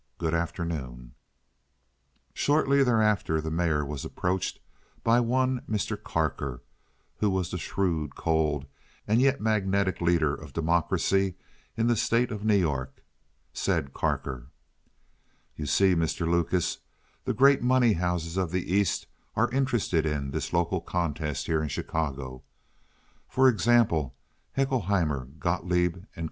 Good afternoon." Shortly thereafter the mayor was approached by one Mr. Carker, who was the shrewd, cold, and yet magnetic leader of Democracy in the state of New York. Said Carker: "You see, Mr. Lucas, the great money houses of the East are interested in this local contest here in Chicago. For example, Haeckelheimer, Gotloeb & Co.